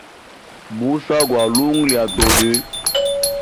Musau gwa lungu lya tobe.